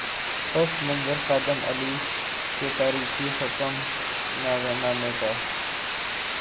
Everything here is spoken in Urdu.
پس منظر خادم اعلی کے تاریخی حکم نامے کا۔